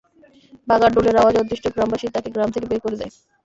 বাঘার ঢোলের আওয়াজে অতিষ্ঠ গ্রামবাসী তাকে গ্রাম থেকে বের করে দেয়।